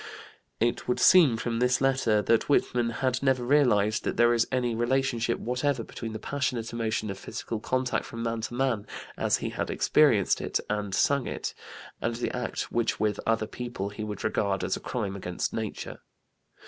It would seem from this letter that Whitman had never realized that there is any relationship whatever between the passionate emotion of physical contact from man to man, as he had experienced it and sung it, and the act which with other people he would regard as a crime against nature.